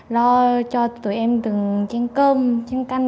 lo cho tụi em từng chiếc cơm chiếc canh